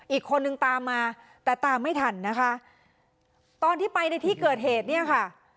อีกคนนึงตามมาแต่ตามไม่ทันนะคะตอนที่ไปในที่เกิดเหตุเนี่ยค่ะ